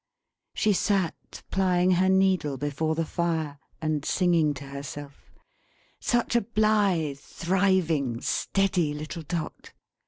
She sat plying her needle, before the fire, and singing to herself. Such a blithe, thriving, steady little Dot!